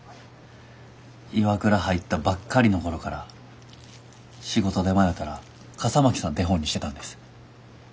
ＩＷＡＫＵＲＡ入ったばっかりの頃から仕事で迷たら笠巻さん手本にしてたんです。